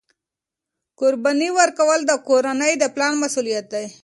قرباني ورکول د کورنۍ د پلار مسؤلیت دی.